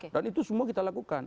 dan itu semua kita lakukan